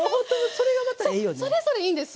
それぞれいいんです。